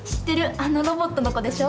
あのロボットの子でしょ？